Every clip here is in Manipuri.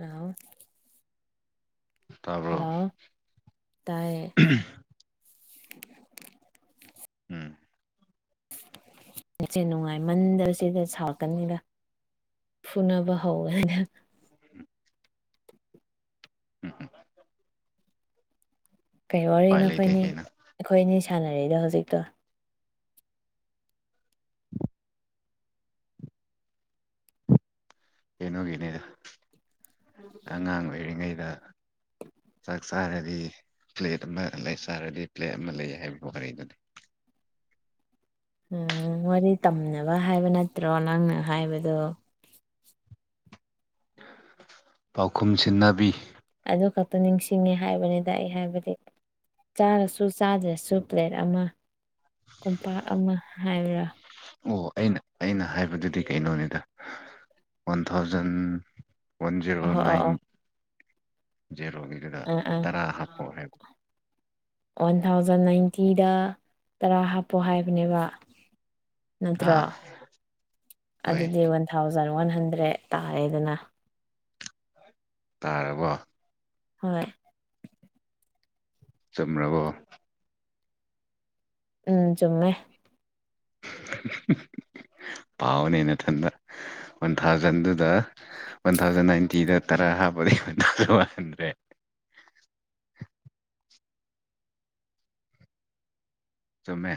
ꯑꯥꯎ ꯇꯥꯕ꯭ꯔꯣ ꯍꯜꯂꯣ ꯇꯥꯏꯌꯦ ꯎꯝ ꯅꯦꯠꯁꯦ ꯅꯨꯡꯉꯥꯏꯃꯟꯗꯕꯁꯤꯗ ꯁꯥꯎꯔꯛꯀꯅꯤꯗ ꯐꯨꯅꯕ ꯍꯧꯒꯅꯤꯗ ꯎꯝ ꯀꯩ ꯎꯄꯥꯏ ꯋꯥꯔꯤꯅꯣ ꯂꯩꯇꯦ ꯑꯈꯣꯏꯅꯤ ꯀꯩꯅꯣ ꯑꯩꯈꯣꯏ ꯑꯅꯤ ꯁꯥꯟꯅꯔꯤꯗꯣ ꯍꯧꯖꯤꯛꯇꯣ ꯀꯩꯅꯣꯒꯤꯅꯤꯗ ꯑꯉꯥꯡ ꯂꯩꯔꯤꯉꯩꯗ ꯆꯥꯛ ꯆꯥꯔꯗꯤ ꯄ꯭ꯂꯦꯠ ꯑꯃ ꯂꯩ ꯆꯥꯔꯗꯤ ꯄ꯭ꯂꯦꯠ ꯑꯃ ꯂꯩ ꯍꯥꯏꯕ ꯋꯥꯔꯤꯗꯨꯅꯤ ꯎꯝ ꯋꯥꯔꯤ ꯇꯝꯅꯕ ꯍꯥꯏꯕ ꯅꯠꯇ꯭ꯔꯣ ꯅꯪꯅ ꯍꯥꯏꯕꯗꯣ ꯄꯥꯎꯈꯨꯝ ꯁꯤꯟꯅꯕꯤ ꯑꯗꯨ ꯈꯛꯇ ꯅꯤꯡꯁꯤꯡꯉꯦ ꯍꯥꯏꯕꯅꯤꯗ ꯑꯩ ꯍꯥꯏꯕꯗꯤ ꯆꯥꯔꯁꯨ ꯆꯥꯗ꯭ꯔꯁꯨ ꯄ꯭ꯂꯦꯠ ꯑꯃ ꯀꯨꯝꯄꯥꯛ ꯑꯃ ꯍꯥꯏꯕ꯭ꯔꯥ ꯑꯣ ꯑꯩꯅ ꯑꯩꯅ ꯍꯥꯏꯕꯗꯨꯗꯤ ꯀꯩꯅꯣꯅꯤꯗ ꯋꯥꯟ ꯊꯥꯎꯖꯟ ꯋꯥꯟ ꯖꯦꯔꯣ ꯑꯣ ꯑꯣ ꯅꯥꯏꯟ ꯑꯣ ꯖꯦꯔꯣꯒꯤꯗꯅ ꯑꯥ ꯑꯥ ꯇꯔꯥ ꯍꯥꯞꯄꯣ ꯍꯥꯏꯕ ꯋꯥꯟ ꯊꯥꯎꯖꯟ ꯅꯥꯏꯟꯇꯤꯗ ꯇꯔꯥ ꯍꯥꯞꯄꯣ ꯍꯥꯏꯕꯅꯦꯕ ꯅꯠꯇ꯭ꯔꯣ ꯑꯥ ꯍꯣꯏ ꯑꯗꯨꯗꯤ ꯋꯥꯟ ꯊꯥꯎꯖꯟ ꯋꯥꯟ ꯍꯟꯗ꯭ꯔꯦꯠ ꯇꯥꯔꯦꯗꯅ ꯇꯥꯔꯕꯣ ꯍꯣꯏ ꯆꯨꯝꯔꯕꯣ ꯎꯝ ꯆꯨꯝꯃꯦ ꯄꯥꯎꯅꯦ ꯅꯊꯟꯗ ꯋꯥꯟ ꯊꯥꯎꯖꯟꯗꯨꯗ ꯋꯥꯟ ꯊꯥꯎꯖꯟ ꯅꯥꯏꯟꯇꯤꯗ ꯇꯔꯥ ꯍꯥꯞꯄꯗꯤ ꯋꯥꯟ ꯊꯥꯎꯖꯟ ꯋꯥꯟ ꯍꯟꯗ꯭ꯔꯦꯠ ꯆꯨꯝꯃꯦ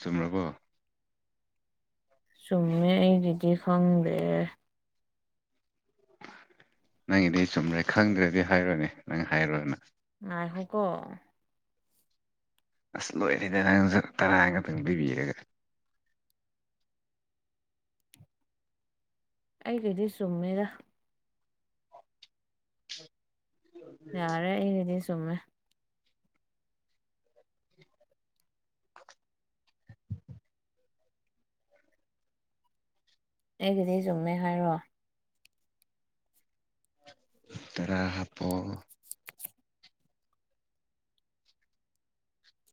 ꯆꯨꯝꯃꯕꯣ ꯆꯨꯝꯃꯦ ꯑꯩꯒꯤꯗꯤ ꯈꯪꯗꯦ ꯅꯪꯒꯤꯗꯤ ꯆꯨꯝꯔꯦ ꯈꯪꯗ꯭ꯔꯗꯤ ꯍꯥꯏꯔꯣꯏꯅꯦ ꯅꯪ ꯍꯥꯏꯔꯨꯔꯅ ꯉꯥꯏꯈꯣꯀꯣ ꯑꯁ ꯂꯣꯏꯔꯦꯗ ꯅꯪꯖꯨ ꯇꯔꯥ ꯈꯛꯇꯪ ꯄꯤꯕꯤꯔꯒ ꯑꯩꯒꯤꯗꯤ ꯆꯨꯝꯃꯦꯗ ꯌꯥꯔꯦ ꯑꯩꯒꯤꯗꯤ ꯆꯨꯝꯃꯦ ꯑꯩꯒꯤꯗꯤ ꯆꯨꯝꯃꯦ ꯍꯥꯏꯔꯣ ꯇꯔꯥ ꯍꯥꯞꯄꯣ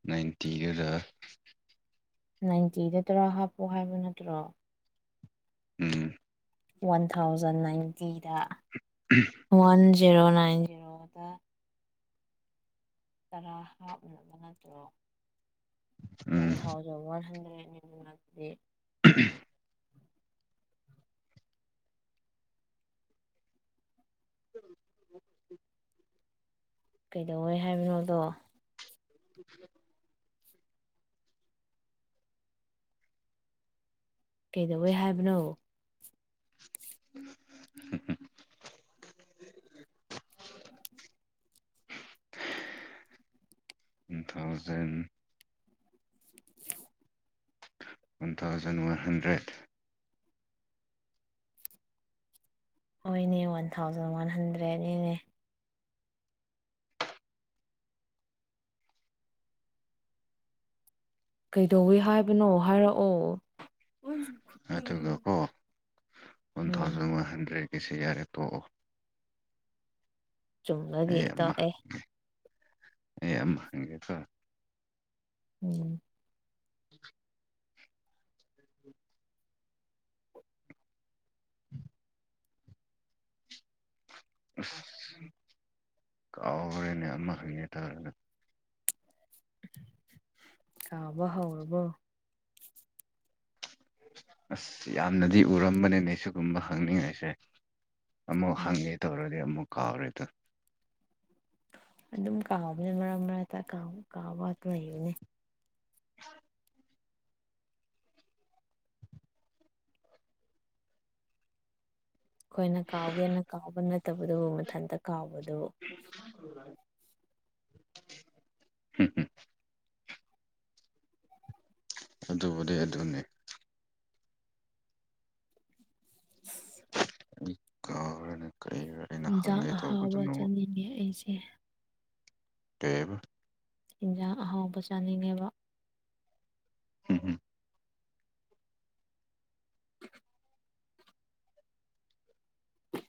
ꯅꯥꯏꯟꯇꯤꯒꯔ ꯅꯥꯏꯟꯇꯤꯗ ꯇꯔꯥ ꯍꯥꯞꯄꯣ ꯍꯥꯏꯕ ꯅꯠꯇ꯭ꯔꯣ ꯎꯝ ꯋꯥꯟ ꯊꯥꯎꯖꯟ ꯅꯥꯏꯟꯇꯤꯗ ꯋꯥꯟ ꯖꯦꯔꯣ ꯅꯥꯏꯟ ꯖꯦꯔꯣꯗ ꯇꯔꯥ ꯍꯥꯞꯅꯕ ꯅꯠꯇ꯭ꯔꯣ ꯋꯥꯟ ꯎꯝ ꯊꯥꯎꯖꯟ ꯋꯥꯟ ꯂꯥꯟꯗꯦꯛ [unintelligible] [unintelligible] [unintelligible] ꯀꯩꯗꯧꯋꯦ ꯍꯥꯏꯕꯅꯣꯗꯣ [inaudible] ꯀꯩꯗꯧꯋꯦ ꯍꯥꯏꯕꯅꯣ [inaudible] ꯎꯝ thousand one thousand one hundred ꯍꯣꯢꯅꯦ ꯋꯥꯟ ꯊꯥꯎꯖꯟ ꯋꯥꯟ ꯍꯟꯗ꯭ꯔꯦꯠꯗꯅꯤꯅꯦ ꯀꯩꯗꯧꯋꯦ ꯍꯥꯏꯕꯅꯣ ꯍꯥꯏꯔꯛꯑꯣ ꯑꯗꯨꯒꯀꯣ ꯋꯥꯟ ꯎꯝ ꯊꯥꯎꯖꯟ ꯋꯥꯟ ꯍꯟꯗ꯭ꯔꯦꯠꯀꯤꯁꯦ ꯌꯥꯔꯦ ꯇꯣꯛꯑꯣ ꯆꯨꯝꯕꯒꯤ ꯑꯩ ꯑꯃ ꯇꯣꯛꯑꯦ ꯑꯩ ꯑꯃ ꯍꯪꯒꯦꯀꯣ ꯎꯝ [inaudible] ꯑꯁ ꯀꯥꯎꯒ꯭ꯔꯦꯅꯦ ꯑꯃ ꯍꯪꯒꯦ ꯇꯧꯔꯒ ꯀꯥꯎꯕ ꯍꯧꯔꯕꯣ ꯑꯁ ꯌꯥꯝꯅꯗꯤ ꯎꯔꯝꯕꯅꯤꯅꯦ ꯁꯤꯒꯨꯝꯕ ꯍꯪꯅꯤꯡꯉꯁꯦ ꯑꯃꯨꯛ ꯎꯝ ꯍꯪꯉꯦ ꯇꯧꯔꯗꯤ ꯑꯃꯨꯛ ꯀꯥꯥꯎꯔꯦꯇꯣ ꯑꯗꯨꯝ ꯀꯥꯎꯕꯅꯦ ꯃꯔꯛ ꯃꯔꯛ ꯀꯥꯎ ꯀꯥꯎꯕ ꯂꯩꯕꯅꯦ ꯑꯩꯈꯣꯏꯅ ꯀꯥꯎꯒꯦꯅ ꯀꯥꯎꯕ ꯅꯠꯇꯕꯗꯣ ꯃꯊꯟꯇ ꯀꯥꯎꯕꯗꯣ꯫ ꯍꯝ ꯍꯝ ꯑꯗꯨꯕꯨꯗꯤ ꯑꯗꯨꯅꯤ ꯏ ꯀꯥꯎꯔꯦꯅꯦ ꯀꯔꯤꯔ ꯑꯩꯅ ꯍꯤꯟꯖꯥꯡ ꯍꯪꯒꯦ ꯇꯧꯕꯗꯨ ꯑꯍꯥꯎꯕ ꯅꯉꯣꯟ ꯆꯥꯅꯤꯡꯉꯦ ꯑꯩꯁꯦ ꯀꯩꯕ ꯍꯤꯟꯖꯥꯡ ꯑꯍꯥꯎꯕ ꯆꯥꯅꯤꯡꯉꯦꯕ ꯍꯝ ꯍꯝ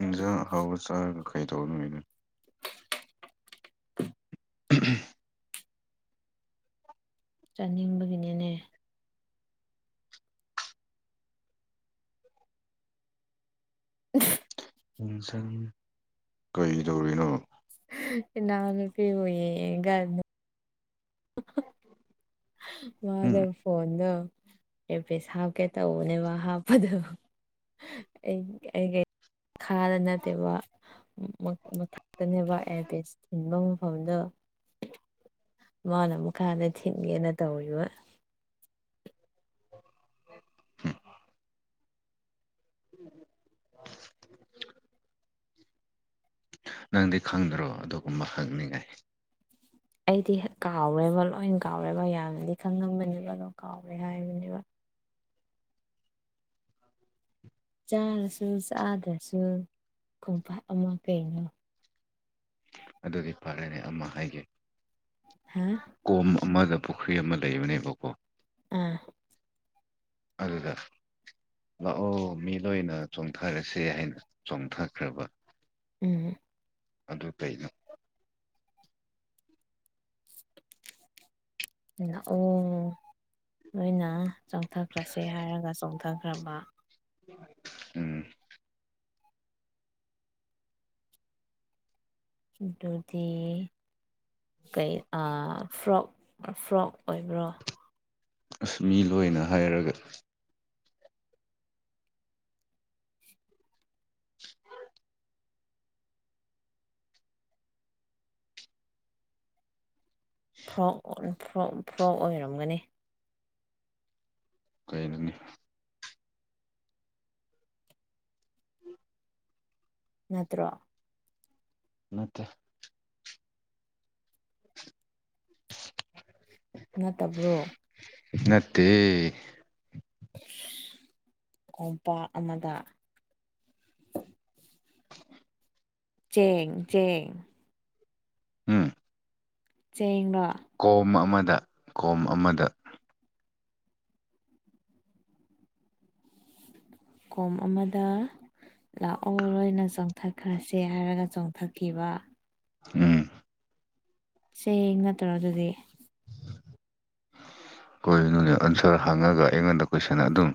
ꯏꯟꯖꯥꯡ ꯑꯍꯥꯎꯕ ꯆꯥꯔꯒ ꯀꯩꯗꯧꯒꯅꯤꯗ [inaudible] ꯎꯝ ꯍꯝ ꯆꯥꯅꯤꯡꯕꯒꯤꯅꯤꯅꯦ [inaudible] ꯎꯟꯁꯪ ꯀꯩ ꯗꯧꯔꯤꯅꯣ ꯏꯅꯥꯎꯅꯨꯄꯤ ꯑꯣꯏꯌꯦꯒ ꯀꯥꯟꯗ ꯃꯥꯗꯣ ꯎꯝ ꯐꯣꯟꯗꯣ ꯑꯦꯔ ꯄꯤꯁ ꯍꯥꯞꯀꯦ ꯇꯧꯕꯅꯦꯕ ꯍꯥꯞꯄꯗꯣ ꯑꯩ ꯑꯩꯩ ꯈꯥꯗ ꯅꯠꯇꯦꯕ ꯃꯊꯛꯇꯅꯦꯕ ꯑꯦꯌꯥꯔꯄꯦꯁ ꯊꯤꯟꯕ ꯃꯐꯝꯗꯣ ꯃꯥꯅ ꯃꯈꯥꯗ ꯊꯤꯟꯒꯦ ꯅ ꯇꯧꯔꯤꯕ [unintelligible] [inaudible] ꯅꯪꯗꯤ ꯈꯪꯗ꯭ꯔꯣ ꯑꯗꯨꯒꯨꯝꯕ ꯍꯪꯅꯤꯡꯉꯥꯏ ꯑꯩꯗꯤ ꯀꯥꯎꯔꯦꯕ ꯂꯣꯏ ꯀꯥꯎꯔꯦꯕ ꯃꯌꯥꯝꯁꯤꯗꯤ ꯈꯪꯉꯝꯕꯅꯦꯕ ꯑꯗꯣ ꯀꯥꯎꯔꯦ ꯍꯥꯏꯕꯅꯦꯕ ꯆꯥꯔꯁꯨ ꯆꯥꯗ꯭ꯔꯁꯨ ꯈꯣꯡꯄꯥꯛ ꯑꯃ ꯄꯦꯡꯂꯣ ꯑꯗꯨꯗꯤ ꯐꯔꯦꯅꯦ ꯑꯃ ꯍꯥꯏꯒꯦ ꯍꯥ ꯀꯣꯝ ꯑꯃꯗ ꯄꯨꯈ꯭ꯔꯤ ꯑꯃ ꯂꯩꯕꯅꯦꯕꯀꯣ ꯑꯥ ꯑꯗꯨꯗ ꯂꯥꯛꯑꯣ ꯃꯤ ꯂꯣꯏꯅ ꯆꯣꯡꯊꯔꯁꯦ ꯍꯥꯏꯅ ꯆꯣꯡꯊꯈ꯭ꯔꯕ ꯎꯝ ꯑꯗꯨ ꯀꯩꯅꯣ ꯑꯣ ꯅꯣꯏꯅ ꯆꯣꯡꯊꯈ꯭ꯔꯁꯦ ꯍꯥꯏꯔꯒ ꯆꯣꯡꯊꯈ꯭ꯔꯕ ꯎꯝ ꯑꯗꯨꯗꯤ ꯀꯩ ꯐ꯭ꯔꯣꯛ ꯐꯣꯔꯣꯛ ꯑꯣꯏꯕ꯭ꯔꯣ ꯑꯁ ꯃꯤ ꯂꯣꯏꯅ ꯍꯥꯏꯔꯒ ꯐꯣꯛ ꯐꯣꯔꯣꯛ ꯑꯣꯏꯔꯝꯒꯅꯤ ꯀꯩꯅꯣꯅꯤ ꯅꯠꯇ꯭ꯔꯣ ꯅꯠꯇꯦ ꯅꯠꯇꯕ꯭ꯔꯣ ꯅꯠꯇꯦ ꯀꯣꯝꯄꯥꯛ ꯑꯃꯗ ꯆꯦꯡ ꯆꯦꯡ ꯎꯝ ꯆꯦꯡꯂꯣ ꯀꯣꯝ ꯑꯃꯗ ꯀꯣꯝ ꯑꯃꯗ ꯀꯣꯝ ꯑꯃꯗ ꯂꯥꯛꯑꯣ ꯂꯣꯏꯅ ꯆꯣꯡꯊꯈ꯭ꯔꯁꯦ ꯍꯥꯏꯔꯒ ꯆꯣꯡꯊꯈꯤꯕ ꯎꯝ ꯆꯦꯡ ꯅꯠꯇ꯭ꯔꯣ ꯑꯗꯨꯗꯤ [inaudible] ꯀꯣꯏꯅꯣꯅꯦ ꯑꯟꯁꯔ ꯍꯥꯡꯉꯒ ꯑꯩꯉꯣꯟꯗ ꯀꯣꯏꯁꯟ ꯑꯗꯨꯝ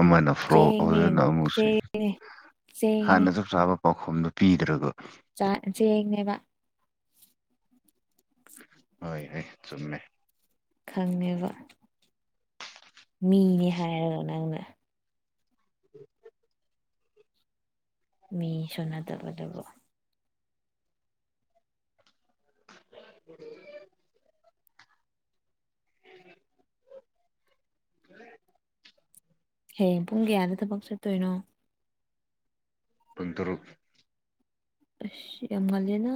ꯑꯃꯅ ꯐ꯭ꯔꯣꯛ ꯆꯦꯡꯅꯦ ꯍꯧꯖꯤꯅ ꯑꯃꯨꯛꯁ ꯆꯦꯡꯅꯦ ꯆꯦꯡꯅꯦ ꯍꯥꯟꯅ ꯆꯞ ꯆꯥꯕ ꯄꯥꯎꯈꯨꯝꯗꯨꯣ ꯄꯤꯗ꯭ꯔꯒ ꯆ ꯆꯦꯅꯦꯕ ꯍꯣꯏ ꯍꯩ ꯆꯨꯝꯃꯦ ꯈꯪꯉꯦꯕ ꯃꯤꯅꯤ ꯍꯥꯏꯔꯒ ꯅꯪꯅ [unintelligible] ꯃꯤꯁꯨ ꯟꯠꯅꯕꯗꯨꯕꯨ ꯎ [unintelligible] ꯍꯌꯦꯡ ꯄꯨꯡ ꯀꯌꯥꯗ ꯊꯕꯛ ꯆꯠꯇꯣꯏꯅꯣ ꯄꯨꯟ ꯇꯔꯨꯛ ꯑꯁ ꯌꯥꯝ ꯉꯜꯂꯦꯅ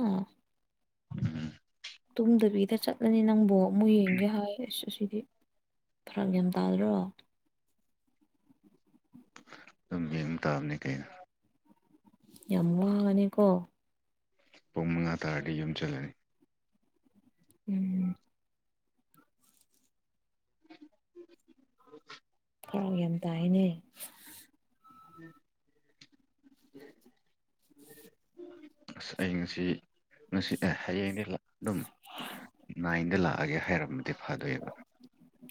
ꯇꯨꯝꯗꯕꯤꯗ ꯆꯠꯂꯅꯤ ꯅꯪꯕꯨ ꯑꯃꯨꯛ ꯌꯦꯡꯒꯦ ꯍꯥꯏ ꯑꯁ ꯑꯁꯤꯗꯤ ꯐꯔꯛ ꯌꯥꯝ ꯇꯗ꯭ꯔꯣ ꯑꯗꯨꯝ ꯌꯦꯡꯕ ꯇꯥꯕꯅꯤ ꯀꯩꯅꯣ ꯌꯥꯝ ꯋꯥꯅꯦꯀꯣ ꯄꯨꯡ ꯃꯉꯥ ꯇꯔꯗꯤ ꯌꯨꯝ ꯆꯠꯂꯅꯤ ꯎꯝ [unintelligible] [unintelligible] ꯑꯁ ꯑꯩ ꯉꯁꯤ ꯉꯁꯤ ꯍꯌꯦꯡꯗꯒꯤ ꯑꯗꯨꯝ ꯅꯥꯏꯟꯗ ꯂꯥꯛꯑꯒꯦ ꯍꯥꯏꯔꯝꯃꯗꯤ ꯐꯥꯗꯣꯏꯕ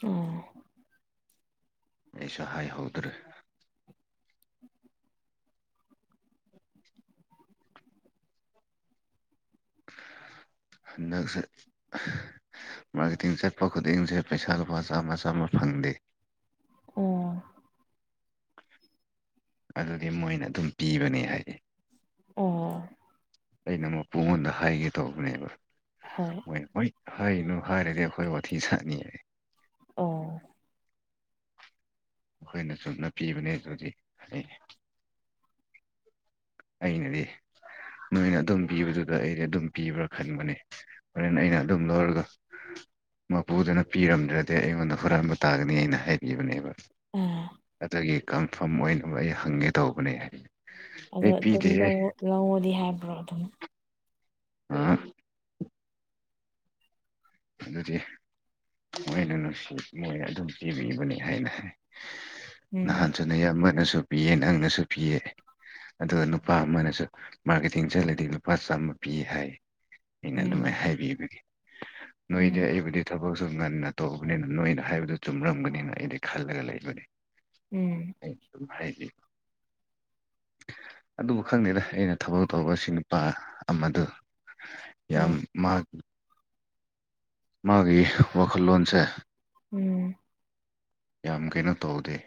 ꯑꯣ ꯑꯩꯁꯨ ꯍꯥꯏꯍꯧꯗ꯭ꯔꯦ ꯍꯟꯗꯛꯁꯦ ꯃꯥꯔꯀꯦꯇꯤꯡ ꯆꯠꯄ ꯈꯨꯗꯤꯡꯁꯦ ꯄꯩꯁꯥ ꯂꯨꯄꯥ ꯆꯥꯝꯃ ꯆꯥꯝꯃ ꯐꯪꯗꯦ ꯑꯣ ꯑꯗꯨꯗꯤ ꯃꯣꯏꯅ ꯑꯗꯨꯝ ꯄꯤꯕꯅꯦ ꯍꯥꯏꯌꯦ ꯑꯣ ꯑꯩꯅ ꯄꯨꯡꯉꯣꯟꯗ ꯍꯥꯏꯒꯦ ꯇꯧꯕꯅꯦꯕ ꯍꯣꯏ ꯍꯣꯏ ꯍꯏꯅꯨ ꯍꯥꯏꯔꯗꯤ ꯑꯩꯈꯣꯏ ꯋꯥꯊꯤ ꯆꯅꯤꯌꯦ ꯑꯣ ꯑꯩꯈꯣꯏꯅ ꯆꯨꯝꯅ ꯄꯤꯕꯅꯦ ꯑꯗꯨꯗꯤ ꯑꯩꯅꯗꯤ ꯅꯣꯏꯅ ꯑꯗꯨꯝ ꯄꯤꯕꯗꯨꯗ ꯑꯩꯗꯤ ꯑꯗꯨꯝ ꯄꯤꯕ꯭ꯔꯥ ꯈꯟꯕꯅꯦ ꯍꯣꯔꯦꯟ ꯑꯩꯅ ꯑꯗꯨꯝ ꯂꯧꯔꯒ ꯃꯄꯨꯗꯨꯅ ꯄꯤꯔꯝꯗ꯭ꯔꯗꯤ ꯑꯩꯉꯣꯟꯗ ꯍꯨꯔꯥꯟꯕ ꯇꯥꯒꯅꯤ ꯑꯩꯅ ꯍꯥꯏꯕꯤꯕꯅꯦꯕ ꯑꯣ ꯑꯗꯒꯤ ꯀꯟꯐꯥꯝ ꯑꯣꯏꯅꯕ ꯑꯩ ꯍꯪꯒꯦ ꯇꯧꯕꯅꯦ ꯍꯥꯏ ꯑꯗꯣ ꯑꯗꯨꯝ ꯂꯧ ꯂꯧꯋꫭꯗꯤ ꯍꯥꯏꯕ꯭ꯔꯣ ꯑꯗꯨꯝ ꯑꯝ ꯑꯗꯨꯗꯤ ꯃꯣꯏꯅ ꯅꯨꯡꯁꯤ ꯃꯣꯏꯅ ꯑꯗꯨꯝ ꯄꯤꯕꯤꯕꯅꯤ ꯍꯥꯏꯅ ꯍꯥꯏ ꯎꯝ ꯅꯍꯥꯟꯁꯨ ꯅ ꯌꯥꯝꯕꯅꯁꯨ ꯄꯤꯌꯦ ꯅꯪꯅꯁꯨ ꯄꯤꯌꯦ ꯑꯗꯨꯒ ꯅꯨꯄꯥ ꯑꯃꯅꯁꯨ ꯃꯥꯔꯀꯦꯇꯤꯡ ꯆꯠꯂꯗꯤ ꯂꯨꯄꯥ ꯆꯥꯝꯃ ꯄꯤ ꯍꯥꯏ ꯑꯩꯅ ꯎꯝ ꯑꯗꯨꯃꯥꯏꯅ ꯍꯥꯏꯕꯤꯕꯒꯤ ꯅꯣꯏꯗ ꯎꯝ ꯑꯩꯕꯨꯗꯤ ꯊꯕꯛꯁꯨ ꯉꯟꯅ ꯇꯧꯕꯅꯤꯅ ꯅꯣꯏꯅ ꯍꯥꯏꯕꯗꯨ ꯆꯨꯝꯔꯝꯒꯅꯤꯅ ꯑꯩꯗꯤ ꯈꯜꯂꯒ ꯂꯩꯕꯅꯦ ꯎꯝ ꯑꯪ ꯗꯨꯝ ꯍꯥꯏꯕꯤꯕ ꯑꯗꯨꯕꯨ ꯈꯪꯗꯦꯗ ꯑꯩꯅ ꯊꯕꯛ ꯇꯧꯕ ꯁꯤ ꯅꯨꯄꯥ ꯑꯃꯗꯨ ꯌꯥꯝ ꯍꯣꯏ ꯃꯥꯗꯨ ꯃꯥꯒꯤ ꯋꯥꯈꯜꯂꯣꯟꯁꯦ ꯎꯝ ꯌꯥꯝ ꯀꯩꯅꯣ ꯇꯧꯗꯦ